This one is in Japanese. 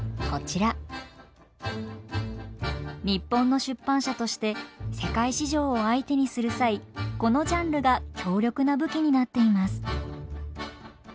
日本の出版社として世界市場を相手にする際このジャンルが強力な武器になっています。